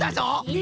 え！